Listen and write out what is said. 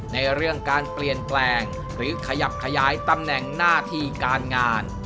ในเรื่องการเปลี่ยนแปลงหรือขยับขยายตำแหน่งหน้าที่การงาน